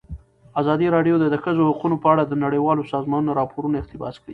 ازادي راډیو د د ښځو حقونه په اړه د نړیوالو سازمانونو راپورونه اقتباس کړي.